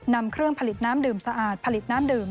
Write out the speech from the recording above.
นำเครื่องผลิตน้ำดื่มสะอาดผลิตน้ำดื่ม